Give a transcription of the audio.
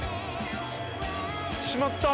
しまった。